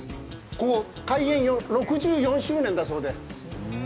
ここ、開園６４周年だそうで。